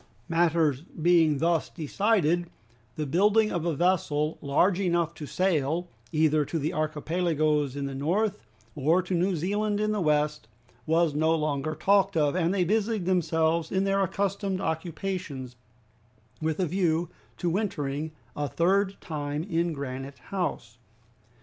Matters being thus decided, the building of a vessel large enough to sail either to the Archipelagoes in the north, or to New Zealand in the west, was no longer talked of, and they busied themselves in their accustomed occupations, with a view to wintering a third time in Granite House.